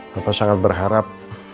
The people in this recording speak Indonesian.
papa sangat berharap